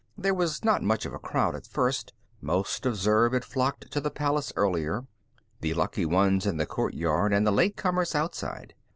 There was not much of a crowd, at first. Most of Zurb had flocked to the palace earlier; the lucky ones in the courtyard and the late comers outside.